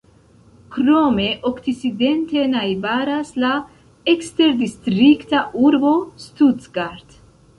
Krome okcidente najbaras la eksterdistrikta urbo Stuttgart.